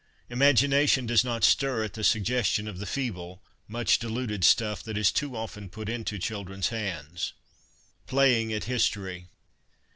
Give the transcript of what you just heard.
Imagination does not stir at the suggestion of the feeble, much diluted stuff that is too often put into children's hands. ' Playing at ' History.